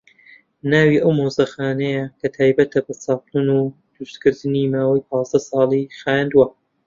ناوی ئەو مۆزەخانەیە کە تایبەتە بە چاپلن و دروستکردنی ماوەی پازدە ساڵی خایاندووە